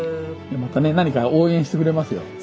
またね何か応援してくれますよ。